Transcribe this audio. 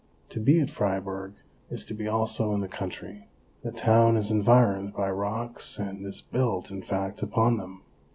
To be at Fribourg is to be also in the country. The town is environed by rocks and is built, in fact, upon them.